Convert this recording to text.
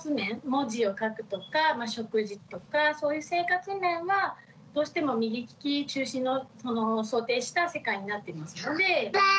文字を書くとか食事とかそういう生活面はどうしても右利き中心の想定した世界になっていますので。